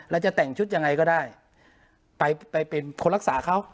จะแต่งชุดยังไงก็ได้ไปเป็นคนรักษาเขา